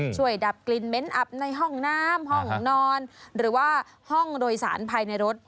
ดับกลิ่นเม้นอับในห้องน้ำห้องนอนหรือว่าห้องโดยสารภายในรถ